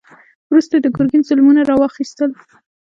وروسته یې د ګرګین ظلمونه را واخیستل.